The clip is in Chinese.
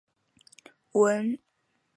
纹状体是端脑皮质下的一部份。